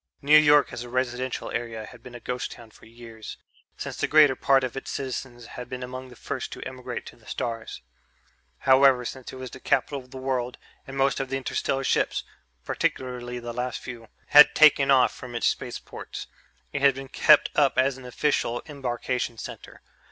New York as a residential area had been a ghost town for years, since the greater part of its citizens had been among the first to emigrate to the stars. However, since it was the capital of the world and most of the interstellar ships particularly the last few had taken off from its spaceports, it had been kept up as an official embarkation center.